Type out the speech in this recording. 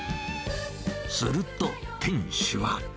すると、店主は。